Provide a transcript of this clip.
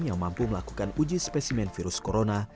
yang mampu melakukan uji spesimen virus corona